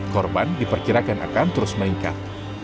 korban diperkirakan akan terus meningkat